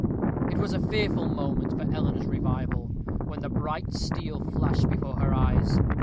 It was a fearful moment for Eleanor's revival, when the bright steel flashed before her eyes.